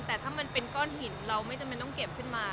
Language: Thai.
แต่ถ้ามันเป็นก้อนหินเราไม่จำเป็นต้องเก็บขึ้นมา